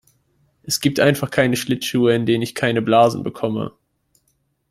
Es gibt einfach keine Schlittschuhe, in denen ich keine Blasen bekomme.